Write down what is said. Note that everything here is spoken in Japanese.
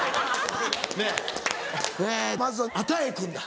えまずは與君だ